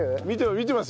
見てます。